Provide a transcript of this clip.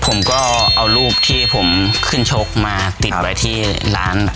ผมก็เอารูปที่ขึ้นชกมาติดอะไรแล้วที่ร้าน